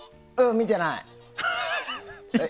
見てない。